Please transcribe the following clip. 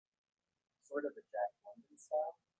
Sort of a Jack London style?